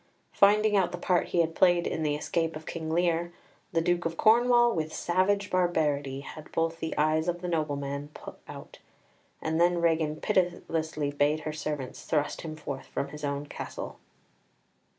Finding out the part he had played in the escape of King Lear, the Duke of Cornwall, with savage barbarity, had both the eyes of the nobleman put out, and then Regan pitilessly bade her servants thrust him forth from his own castle.